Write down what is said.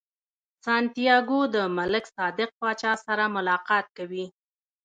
سانتیاګو د ملک صادق پاچا سره ملاقات کوي.